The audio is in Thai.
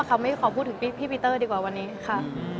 อันนี้ไม่ทราบค่ะควรพูดพี่พีเตอร์อีกกว่าค่ะ